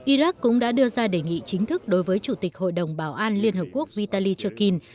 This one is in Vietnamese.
iraq cũng đã đưa ra đề nghị chính thức đối với chủ tịch hội đồng bảo an liên hợp quốc vitay chokin